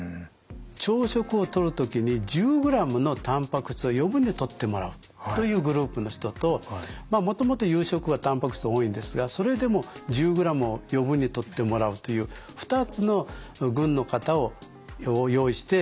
朝食をとる時に１０ｇのたんぱく質を余分にとってもらうというグループの人ともともと夕食はたんぱく質多いんですがそれでも１０ｇを余分にとってもらうという２つの群の方を用意して研究をしました。